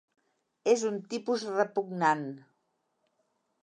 És un tipus repugnant.